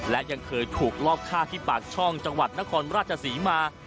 และยังเคยถูกรอบฆ่าที่ปากช่องจังหวัดนครราชศรีมา